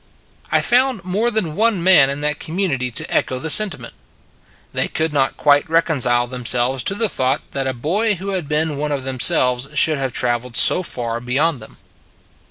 I found more than one man in that com munity to echo the sentiment. They could not quit6 reconcile themselves to the thought that a boy who had been one of themselves should have travelled so far beyond them.